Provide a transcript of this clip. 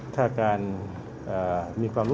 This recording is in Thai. สวัสดีครับ